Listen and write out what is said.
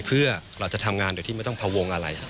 เพื่อเราจะทำงานโดยที่ไม่ต้องพวงอะไร